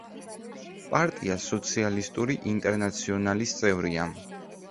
პარტია სოციალისტური ინტერნაციონალის წევრია.